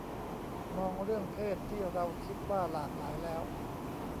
มองเรื่องเพศที่เราคิดว่าหลากหลายแล้ว